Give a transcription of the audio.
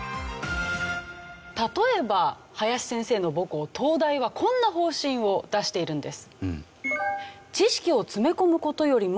例えば林先生の母校東大はこんな方針を出しているんです。